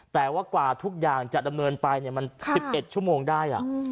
แต่ว่ากว่าทุกอย่างจะดำเนินไปมัน๑๑ชั่วโมงได้